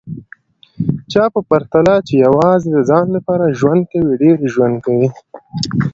چا په پرتله چي یوازي د ځان لپاره ژوند کوي، ډېر ژوند کوي